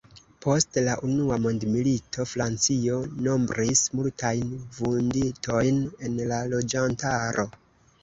Post la unua mondmilito, Francio nombris multajn vunditojn en la loĝantaro.